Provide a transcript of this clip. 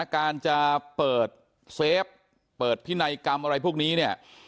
การจะเปิดเซฟเปิดพินัยกรรมอะไรพวกนี้เนี่ย